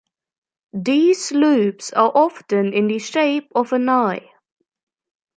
These loops are often in the shape of an eye.